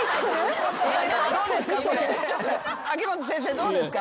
どうですか？